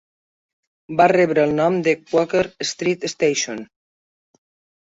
Va rebre el nom de Quaker Street Station.